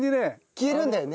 消えるんだよね？